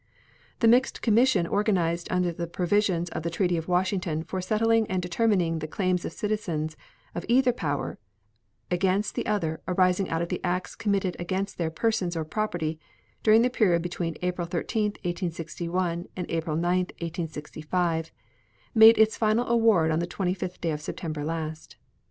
The mixed commission organized under the provisions of the treaty of Washington for settling and determining the claims of citizens of either power against the other arising out of acts committed against their persons or property during the period between April 13, 1861, and April 9, 1865, made its final award on the 25th day of September last.